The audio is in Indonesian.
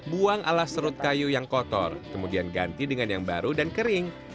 buang alas serut kayu yang kotor kemudian ganti dengan yang baru dan kering